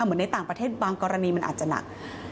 เหมือนในต่างประเทศบางกรณีมันอาจจะหนัก